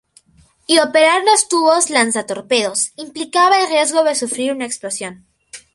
Y operar los tubos lanzatorpedos implicaba el riesgo de sufrir una explosión.